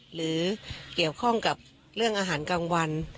หรือเกี่ยวข้องกับเรื่องอาหารกลางวัน